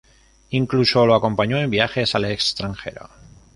Incluso lo acompañó en viajes al extranjero.